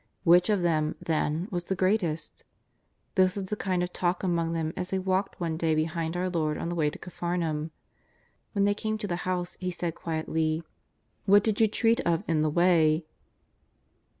Which of them, then, was the greatest ? This was the kind of talk among them as they walked one day behind our Lord on the way to Capharnaum. When they came to the house He said quietly: " What did you treat of in the way